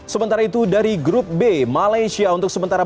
sementara itu dari grup b malaysia untuk sementara